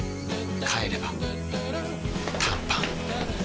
帰れば短パン